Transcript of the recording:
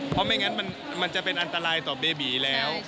เพราะไม่งั้นมันจะเป็นอันตรายต่อเบบีแล้ว